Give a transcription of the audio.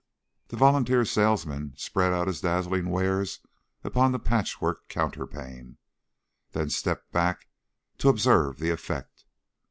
The volunteer salesman spread out his dazzling wares upon the patchwork counterpane, then stepped back to observe the effect.